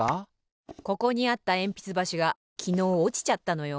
ここにあったえんぴつばしがきのうおちちゃったのよ。